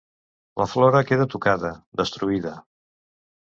La flora queda tocada, destruïda...